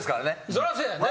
そりゃそうやな。